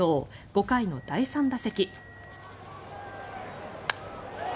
５回の第３打席。